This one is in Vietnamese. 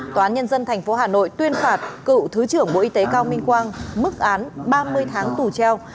tòa án nhân dân tp hà nội tuyên phạt cựu thứ trưởng bộ y tế cao minh quang mức án ba mươi tháng tù treo